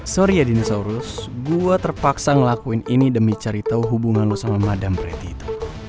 sorry ya dinosaurus gue terpaksa ngelakuin ini demi cari tahu hubungan lo sama madamprety itu